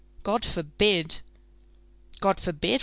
"God forbid!" "God forbid!